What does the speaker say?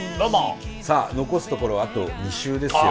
さあ残すところあと２週ですよ。